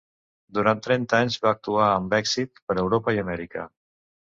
Durant trenta anys va actuar amb èxit per Europa i Amèrica.